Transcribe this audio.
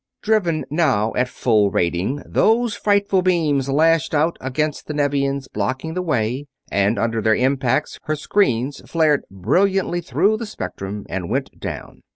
Driven now at full rating those frightful beams lashed out against the Nevians blocking the way, and under their impacts her screens flared brilliantly through the spectrum and went down.